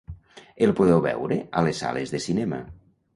El podeu veure a les sales de cinema.